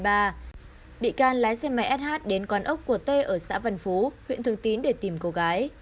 bị can lái xe máy sh đến con ốc của t ở xã vân phú huyện thường tín để tìm cô gái